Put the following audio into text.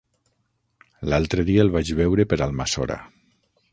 L'altre dia el vaig veure per Almassora.